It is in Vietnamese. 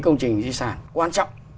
công trình di sản quan trọng